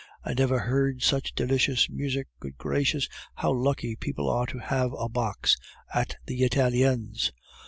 "I never heard such delicious music. Good gracious! how lucky people are to have a box at the Italiens!"